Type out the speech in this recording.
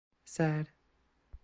Sad.